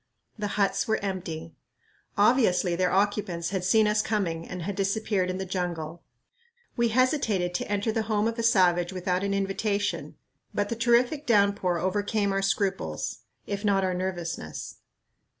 The huts were empty. Obviously their occupants had seen us coming and had disappeared in the jungle. We hesitated to enter the home of a savage without an invitation, but the terrific downpour overcame our scruples, if not our nervousness.